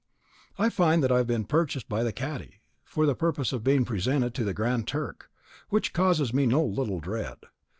I find that I have been purchased by the cadi, for the purpose of being presented to the Grand Turk, which causes me no little dread.